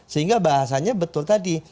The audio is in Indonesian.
sehingga bahasanya betul tadi